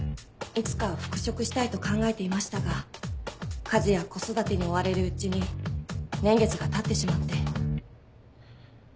いつかは復職したいと考えていましたが家事や子育てに追われるうちに年月がたってしまって。